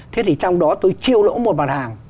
thế thì trong đó tôi chiêu lỗ một mặt hàng